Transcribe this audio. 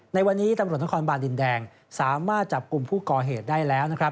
ในวันนี้ตำรวจนครบานดินแดงสามารถจับกลุ่มผู้ก่อเหตุได้แล้วนะครับ